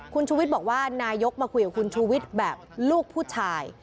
คุณชูวิทย์บอกว่านายกมาคุยกับคุณชูวิทย์แบบลูกผู้ชาย